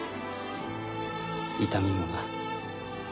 痛みもな。